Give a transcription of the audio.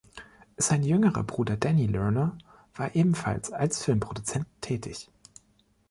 Sein jüngerer Bruder Danny Lerner war ebenfalls als Filmproduzent tätig.